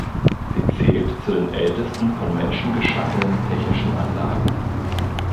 Sie zählt zu den ältesten von Menschen geschaffenen technischen Anlagen.